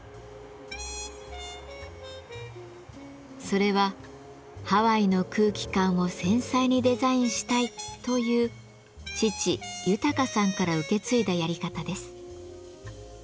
それは「ハワイの空気感を繊細にデザインしたい」という父・豊さんから受け継いだやり方です。